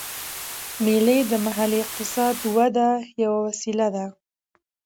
مېلې د محلي اقتصاد وده یوه وسیله ده.